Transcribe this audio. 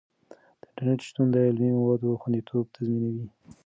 د انټرنیټ شتون د علمي موادو خوندیتوب تضمینوي.